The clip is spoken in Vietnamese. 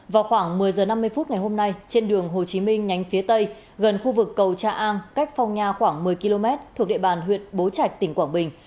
vào khoảng một mươi h năm mươi phút ngày hôm nay trên đường hồ chí minh nhánh phía tây gần khu vực cầu cha an cách phong nha khoảng một mươi km thuộc địa bàn huyện bố trạch tỉnh quảng bình